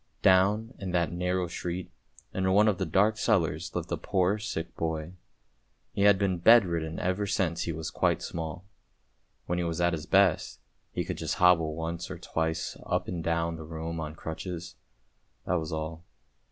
" Down in that narrow street, in one of the dark cellars lived a poor sick boy ; he had been bed ridden ever since he was quite small. When he was at his best, he could just hobble once or twice up and down the room on crutches; that was all.